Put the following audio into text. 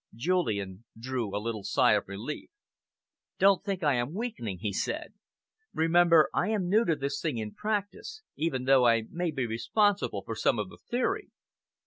Julian drew a little sigh of relief. "Don't think I am weakening," he said. "Remember, I am new to this thing in practice, even though I may be responsible for some of the theory."